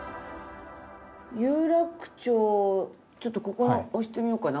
有楽町ちょっとここ押してみようかな？